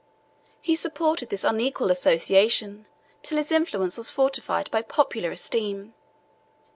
He supported this unequal association till his influence was fortified by popular esteem.